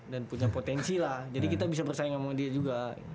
dan punya potensi lah jadi kita bisa bersaing sama dia juga